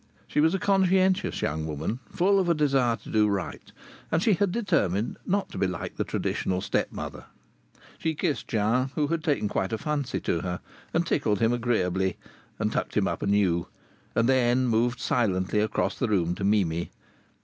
She was a conscientious young woman, full of a desire to do right, and she had determined not to be like the traditional stepmother. She kissed Jean, who had taken quite a fancy to her, and tickled him agreeably, and tucked him up anew, and then moved silently across the room to Mimi.